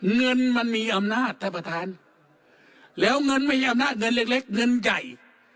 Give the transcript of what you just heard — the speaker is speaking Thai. เงินมันมีอำนาจท่านประธานแล้วเงินไม่ใช่อำนาจเงินเล็กเงินใหญ่